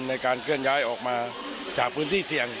ในการเคลื่อนย้ายออกมาจากพื้นที่เสี่ยง